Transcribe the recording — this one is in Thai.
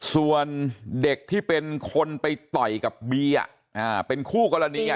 ส่วนเด็กที่เป็นคนไปต่อยกับบีเป็นคู่กรณี